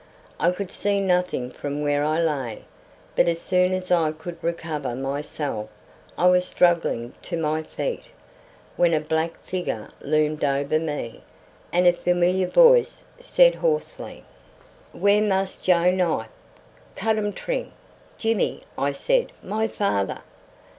I could see nothing from where I lay, but as soon as I could recover myself I was struggling to my feet, when a black figure loomed over me, and a familiar voice said hoarsely: "Where Mass Joe knife, cut um 'tring?" "Jimmy!" I said. "My father?"